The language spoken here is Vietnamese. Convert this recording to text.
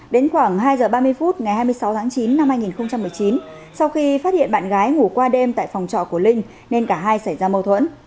đến khoảng hai giờ ba mươi phút ngày hai mươi sáu tháng chín năm hai nghìn một mươi chín sau khi phát hiện bạn gái ngủ qua đêm tại phòng trọ của linh nên cả hai xảy ra mâu thuẫn